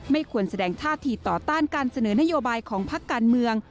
ไม่ควรแสดงท่าทีต่อต้านการเสนอนโยบายของพักการเมือง